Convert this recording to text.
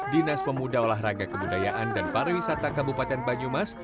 dinas pemuda olahraga kebudayaan dan pariwisata kabupaten banyumas